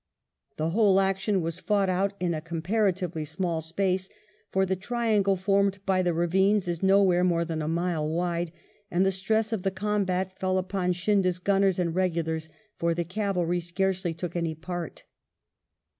The whole action was fought out in a comparatively small space, for the triangle formed by the ravines is nowhere more than a mile wide ; and the stress of the combat fell upon . Scindia's gunners and regulars, for the cavalry scarcely took any part.